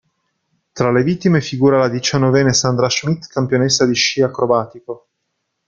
Tra le vittime figura la diciannovenne Sandra Schmitt, campionessa di sci acrobatico.